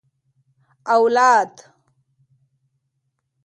اوالد